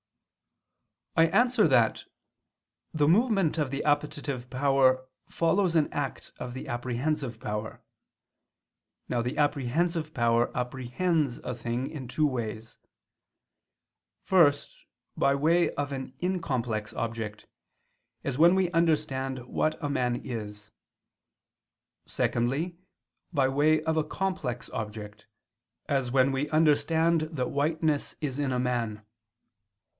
I answer that, The movement of the appetitive power follows an act of the apprehensive power. Now the apprehensive power apprehends a thing in two ways. First, by way of an incomplex object, as when we understand what a man is; secondly, by way of a complex object, as when we understand that whiteness is in a man.